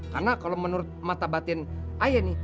karena kalau menurut mata batin ayah ini